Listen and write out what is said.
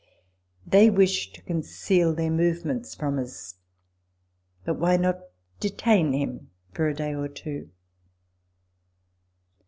They wished to conceal their movements from us ; but why not detain him for a day or two